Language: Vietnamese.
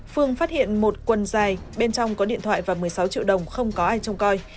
phương phát hiện một quần dài bên trong có điện thoại và một mươi sáu triệu đồng không có ai trông coi